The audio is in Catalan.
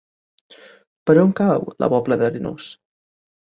Per on cau la Pobla d'Arenós?